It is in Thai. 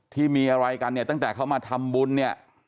ที่มีอะไรกันตั้งแต่เขามาทำบุญ